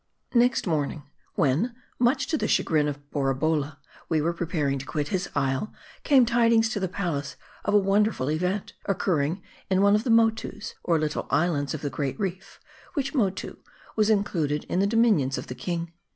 NEXT morning, when much to the chagrin of Boraholla we were preparing to quit his isle, came tidings to the palace, of a wonderful event, occurring in one of the " Mo toos," or little islets of the great reef; which " Motoo" was included in the dominions of the king.